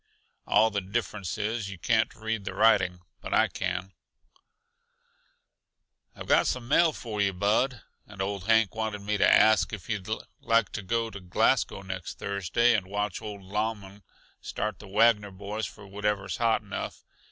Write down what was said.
All the difference is, you can't read the writing; but I can." "I've got some mail for yuh, Bud. And old Hank wanted me to ask yuh if you'd like to go to Glasgow next Thursday and watch old Lauman start the Wagner boys for wherever's hot enough.